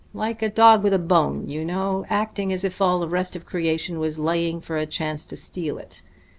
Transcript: Like a dog with a bone, you know, acting as if all the rest of creation was laying for a chance to steal it.